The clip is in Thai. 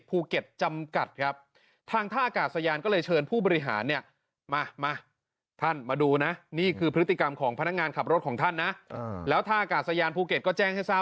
เพื่อที่จะอยู่จุดนึงแล้วเราไปไหนต่อไม่ได้ไง